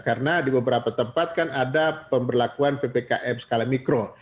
karena di beberapa tempat kan ada pemberlakuan ppkm skala mikro